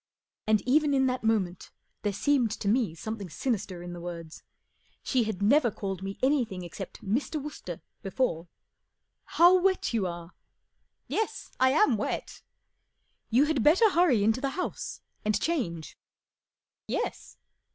And even in that moment there seemed to me something sinister in the words. She had never called me any¬ thing except " Mr. Wooster " before. Ji How wet you are !"" Yes, I am wet.'* 11 You had better hurry into the house and change/' Yes."